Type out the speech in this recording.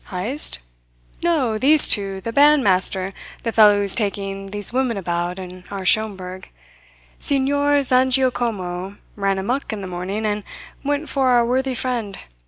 "Heyst? No, these two the bandmaster, the fellow who's taking these women about and our Schomberg. Signor Zangiacomo ran amuck in the morning, and went for our worthy friend.